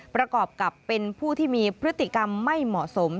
ประกอบกับเป็นผู้ที่มีพฤติกรรมไม่เหมาะสม